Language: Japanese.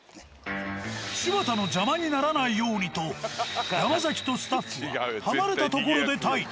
柴田の邪魔にならないようにと山崎とスタッフは離れた所で待機。